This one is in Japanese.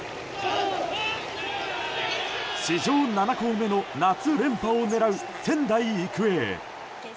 史上７校目の夏連覇を狙う仙台育英。